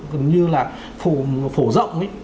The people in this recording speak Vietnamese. gần như là phổ rộng